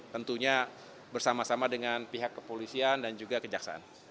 tentunya bersama sama dengan pihak kepolisian dan juga kejaksaan